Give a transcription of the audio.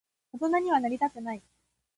大人にはなりたくない。